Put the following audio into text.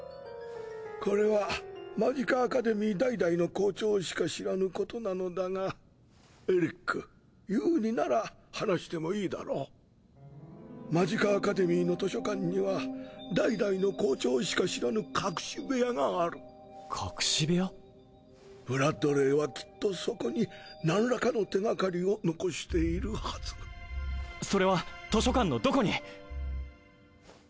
これはマジカアカデミー代々の校長しか知らぬことなのだがエリックＹＯＵになら話してもいいだマジカアカデミーの図書館には代々の校長しか知らぬ隠し部屋がある隠し部ブラッドレーはきっとそこに何らかの手がかりを残しているはずそれは図書館のどこに！